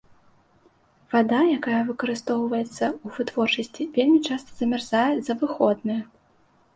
Вада, якая выкарыстоўваецца ў вытворчасці, вельмі часта замярзае за выходныя.